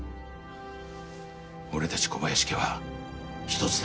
俺たち小林家は一つだ。